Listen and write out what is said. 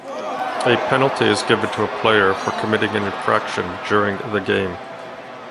A penalty is given to a player for committing an infraction during the game.